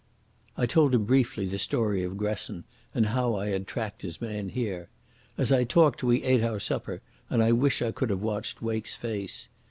I told him briefly the story of Gresson, and how I had tracked his man here. As I talked we ate our supper, and I wish I could have watched Wake's face.